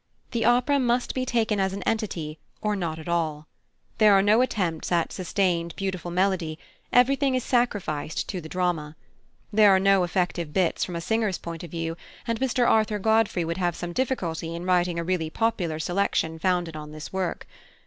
The opera must be taken as an entity or not at all. There are no attempts at sustained, beautiful melody; everything is sacrificed to the drama. There are no effective bits from a singer's point of view, and Mr Arthur Godfrey would have some difficulty in writing a really popular selection founded on this work.